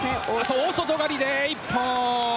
大外刈りで一本！